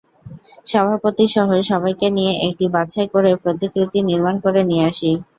সভাপতিসহ সবাইকে নিয়ে একটি বাছাই করে প্রতিকৃতি নির্মাণ করে নিয়ে আসি।